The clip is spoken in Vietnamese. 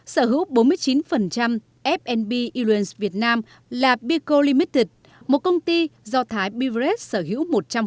sở hữu bốn mươi chín f b illions việt nam là pico limited một công ty do thái bivret sở hữu một trăm linh